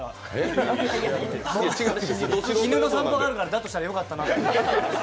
犬の散歩があるから、だとしたらよかったなと。